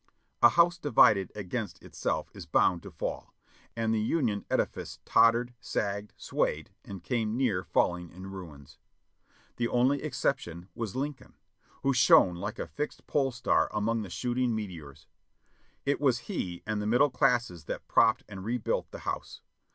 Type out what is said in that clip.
"A house divided against itself is bound to fall," and the Union edifice tottered, sagged, swayed and came near falling in ruins. The only exception was Lincoln, who shone like a fixed pole star among the shooting meteors. It was he and the middle classes that propped and rebuilt the house.